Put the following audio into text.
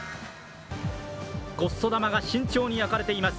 ごっそ玉が慎重に焼かれています。